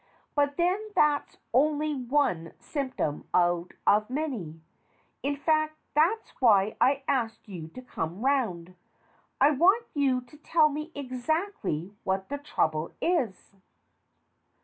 But then that's only one symptom out of many. In fact, that's why I asked you to come round. I want you to tell me exactly what the trouble is.